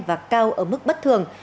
và cao ở mức bất thường